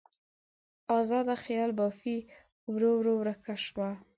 ازاده خیال بافي ورو ورو ورکه شوه.